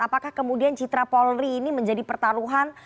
apakah kemudian citra polri ini menjadi pertaruhan